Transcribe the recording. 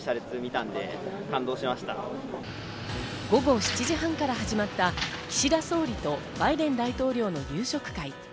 午後７時半から始まった岸田総理とバイデン大統領の夕食会。